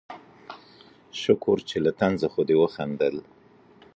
شکر چې له طنزه خو دې وخندل